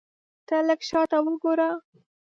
ته لږ شاته وګوره !